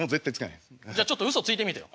じゃあちょっとうそついてみてよ。